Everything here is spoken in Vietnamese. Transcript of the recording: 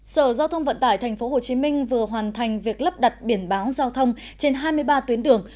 sở giao thông vận tải tp hcm vừa hoàn thành việc lắp đặt biển báo giao thông trên hai mươi ba tuyến đường